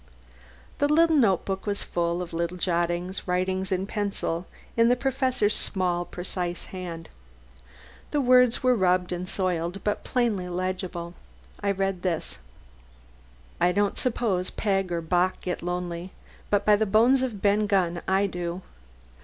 The notebook was full of little jottings, written in pencil in the Professor's small, precise hand. The words were rubbed and soiled, but plainly legible. I read this: I don't suppose Bock or Peg get lonely, but by the bones of Ben Gunn, I do.